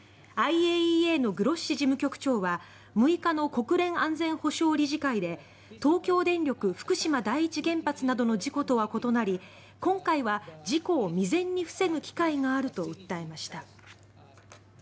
ＩＡＥＡのグロッシ事務局長は６日の国連安全保障理事会で東京電力福島第一原発などの事故とは異なり今回は事故を未然に防ぐ機会があると訴えました。